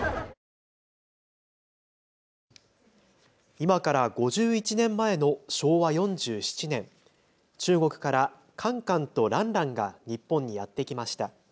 今から５１年前の昭和４７年、中国からカンカンとランランが日本にやって来ました。